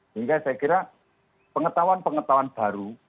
sehingga saya kira pengetahuan pengetahuan baru